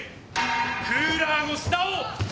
クーラーの下を陣取れ！